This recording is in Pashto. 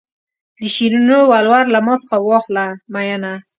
د شیرینو ولور له ما څخه واخله مینه.